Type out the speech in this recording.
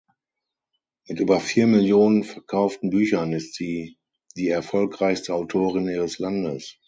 Mit über vier Millionen verkauften Büchern ist sie die erfolgreichste Autorin ihres Landes.